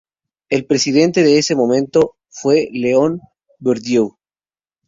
El presidente de ese momento fue León Bourdieu.